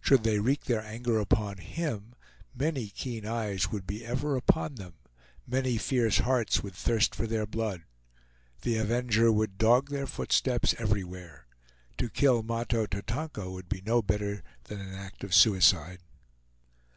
Should they wreak their anger upon him, many keen eyes would be ever upon them, many fierce hearts would thirst for their blood. The avenger would dog their footsteps everywhere. To kill Mahto Tatonka would be no better than an act of suicide.